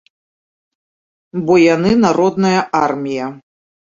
Бо яны народная армія.